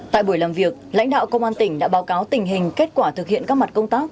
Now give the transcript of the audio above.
tại buổi làm việc lãnh đạo công an tỉnh đã báo cáo tình hình kết quả thực hiện các mặt công tác